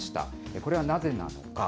これはなぜなのか。